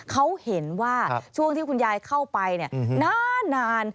เขาเห็นว่าช่วงที่คุณยายเข้าไปนาน